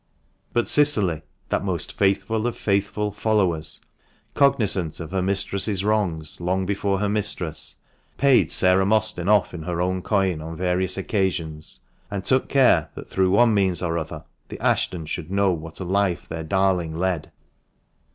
But Cicily, that most faithful of faithful followers, cognisant of her mistress's wrongs long before her mistress, paid Sarah Mostyn off in her own coin on various occasions, and took care that through one means or other the Ashtons should know what a life their darling led.